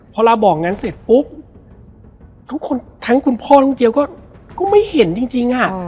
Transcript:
พอบอกงั้นเสร็จปุ๊บทั้งคุณพ่อคุณเจี๊ยบก็ไม่เห็นจริง